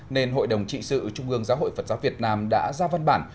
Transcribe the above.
nên hội đồng trị sự trung ương giáo hội phật giáo việt nam đã ra văn bản